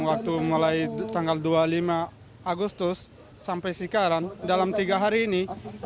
waktu mulai tanggal dua puluh lima agustus sampai sekarang dalam tiga hari ini